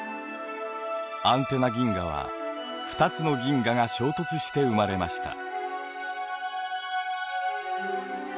アンテナ銀河は２つの銀河が衝突して生まれました。